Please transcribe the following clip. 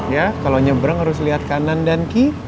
ya kalau nyebrang harus lihat kanan dan ki